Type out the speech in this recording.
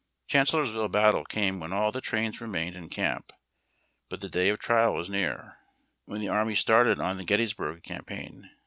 Chancel lorsville battle came when all the trains remained in camp. But the day of trial was near. When the army started on the Gettysburg campaign.